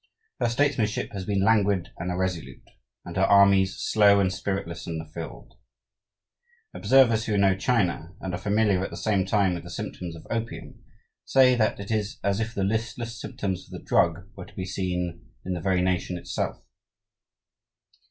Her statesmanship has been languid and irresolute, and her armies slow and spiritless in the field. Observers who know China, and are familiar at the same time with the symptoms of opium, say that it is as if the listless symptoms of the drug were to be seen in the very nation itself.